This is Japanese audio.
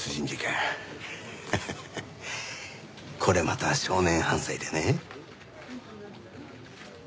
これまた少年犯罪でね。